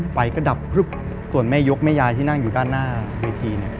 ไฟก็ดับพลึบส่วนแม่ยกแม่ยายที่นั่งอยู่ด้านหน้าเวทีเนี่ย